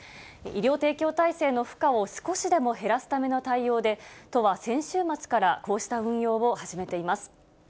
医療提供体制の負荷を少しでも減らすための対応で、都は先週末からこうした運用を始めています。